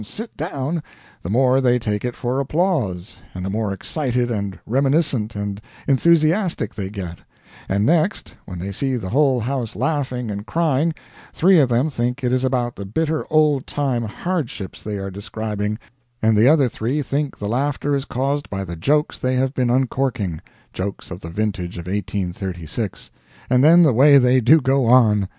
Sit down!" the more they take it for applause, and the more excited and reminiscent and enthusiastic they get; and next, when they see the whole house laughing and crying, three of them think it is about the bitter old time hardships they are describing, and the other three think the laughter is caused by the jokes they have been uncorking jokes of the vintage of 1836 and then the way they do go on!